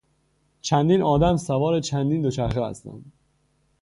چندین آدم سوار چندین دوچرخه هستند.